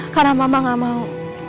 karena mama gak mau